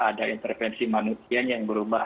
ada intervensi manusia yang berubah